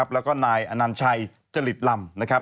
แล้วก็นายอานัญชัยจริตลำ